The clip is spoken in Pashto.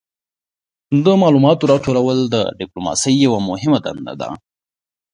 د معلوماتو راټولول د ډیپلوماسي یوه مهمه دنده ده